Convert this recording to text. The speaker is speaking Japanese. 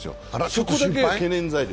そこだけ懸念材料。